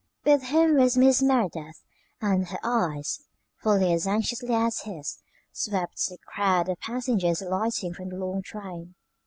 With him was Mrs. Merideth, and her eyes, fully as anxiously as his, swept the crowd of passengers alighting from the long train.